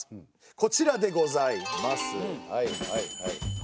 こちらでございます。